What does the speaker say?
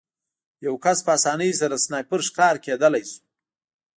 یو کس په اسانۍ سره د سنایپر ښکار کېدلی شو